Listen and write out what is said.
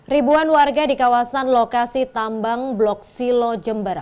ribuan warga di kawasan lokasi tambang blok silo jember